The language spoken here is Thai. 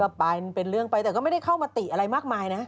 ก็ไปเป็นเรื่องไปแต่ก็ไม่ได้เข้ามาติอะไรมากมายนะ